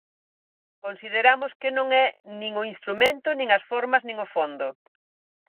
Consideramos que non é nin o instrumento nin as formas nin o fondo.